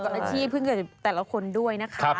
อาชีพเพื่อเงินแต่ละคนด้วยนะคะ